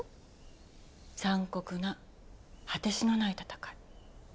残酷な果てしのない戦い。